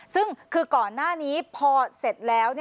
ซึ่งคือก่อนหน้านี้พอเสร็จแล้ว